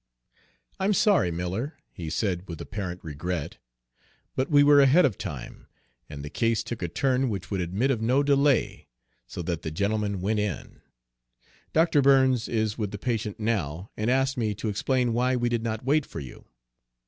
"I'm sorry, Miller," he said with apparent regret, "but we were here ahead of time, and the case took a turn which would admit of no delay, so the gentlemen went in. Dr. Burns is with the patient now, and asked me to explain why we did not wait for you."